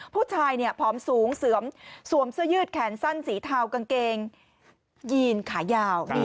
ผู้ชายผอมสูงสวมเสื้อยืดแขนสั้นสีเทากางเกงยีนขายาว